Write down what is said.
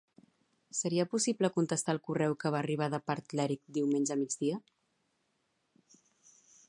Seria possible contestar el correu que va arribar de part l'Èric diumenge al migdia?